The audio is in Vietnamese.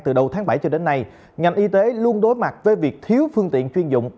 từ đầu tháng bảy cho đến nay ngành y tế luôn đối mặt với việc thiếu phương tiện chuyên dụng